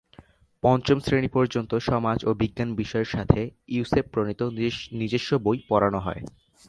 পঞ্চম শ্রেণি পর্যন্ত সমাজ ও বিজ্ঞান বিষয়ের সাথে ইউসেপ প্রণীত নিজস্ব বই পড়ানো হয়।